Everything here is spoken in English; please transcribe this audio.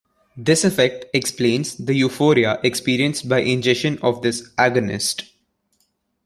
This effect explains the euphoria experienced by ingestion of this "agonist".